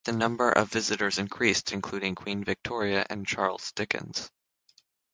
The number of visitors increased, including Queen Victoria and Charles Dickens.